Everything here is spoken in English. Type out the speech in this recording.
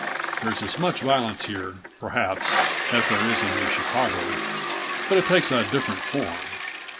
There's as much violence here, perhaps, as there is in New Chicago but it takes a different form.